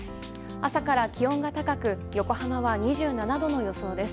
朝から気温が高く横浜は２７度の予想です。